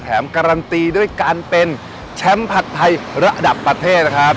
การันตีด้วยการเป็นแชมป์ผัดไทยระดับประเทศนะครับ